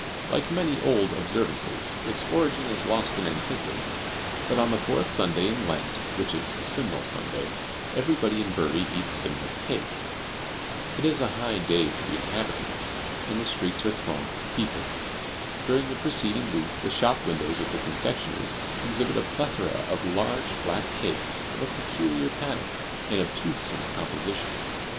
Like many old observances, its origin is lost in antiquity; but on the fourth Sunday in Lent, which is Simnel Sunday, everybody in Bury eats Simnel cake. It is a high day for the inhabitants, and the streets are thronged with people. During the preceding week, the shop windows of the confectioners exhibit a plethora of large, flat cakes, of a peculiar pattern and of toothsome composition.